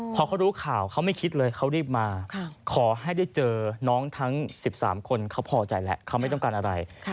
พอเขารู้ข่าวเขาไม่คิดเลยเขารีบมาขอให้ได้เจอน้องทั้ง๑๓คนเขาพอใจแหละเขาไม่ต้องการอะไร